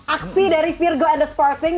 aksi dari virgo and the sporting